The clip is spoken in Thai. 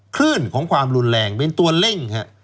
คลื่นของความรุนแรงเป็นตัวเร่ง